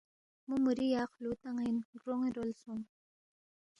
مو موری یا خلو تانین گرونی رول سونگ ۔